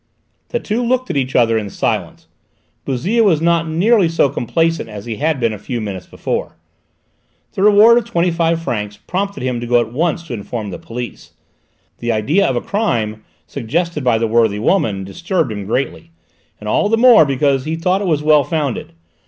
The two looked at each other in silence. Bouzille was not nearly so complacent as he had been a few minutes before. The reward of twenty five francs prompted him to go at once to inform the police; the idea of a crime, suggested by the worthy woman, disturbed him greatly, and all the more because he thought it was well founded.